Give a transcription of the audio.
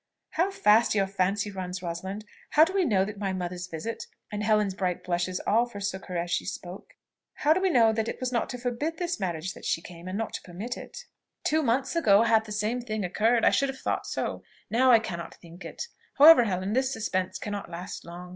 "How fast your fancy runs, Rosalind! How do we know that my mother's visit," (and Helen's bright blushes all forsook her as she spoke,) "how do we know that it was not to forbid this marriage that she came, and not to permit it?" "Two months ago, had the same thing occurred, I should have thought so: now I cannot think it. However, Helen, this suspense cannot last long.